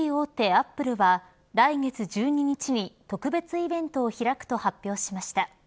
アップルは来月１２日に特別イベントを開くと発表しました。